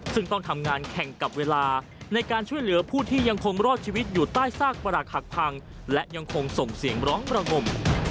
ซึ่งต้องทำงานแข่งกับเวลาในการช่วยเหลือผู้ที่ยังคงรอดชีวิตอยู่ใต้ซากประหลักหักพังและยังคงส่งเสียงร้องประงม